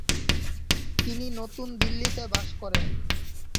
তিনি নতুন দিল্লিতে বাস করেন।